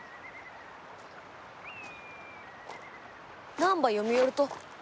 何ば読みよると？